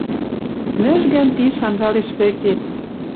Нӹжгӓн пиш анжалеш вӹкет.